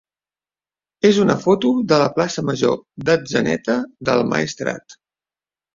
és una foto de la plaça major d'Atzeneta del Maestrat.